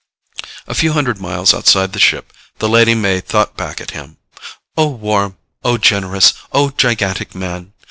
A few hundred miles outside the ship, the Lady May thought back at him, "O warm, O generous, O gigantic man!